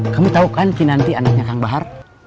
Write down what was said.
kamu tahu kan kinanti anaknya kang bahar